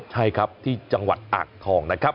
ใช่ครับที่จังหวัดอ่างทองนะครับ